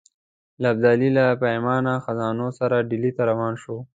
ابدالي له پرېمانه خزانو سره ډهلي ته روان شو.